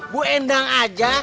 bu endang aja